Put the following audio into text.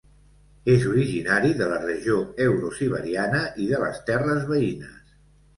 És originari de la regió euro-siberiana i de les terres veïnes.